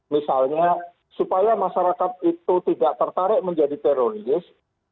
misalnya supaya masyarakat itu tidak tertarik menjadi teroris